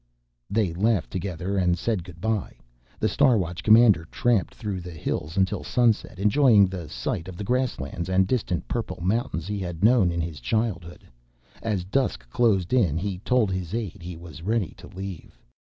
They laughed together and said good by. The Star Watch commander tramped through the hills until sunset, enjoying the sight of the grasslands and distant purple mountains he had known in his childhood. As dusk closed in, he told his aide he was ready to leave.